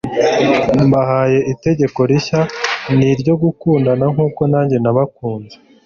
mbahaye itegeko rishya ni iryo gukundana nk'uko nanjye nabakunze